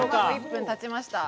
１分、たちました。